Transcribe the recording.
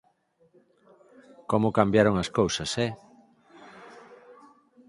Como cambiaron as cousas, e...